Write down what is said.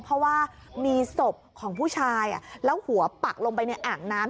เพราะว่ามีศพของผู้ชายแล้วหัวปักลงไปในอ่างน้ำ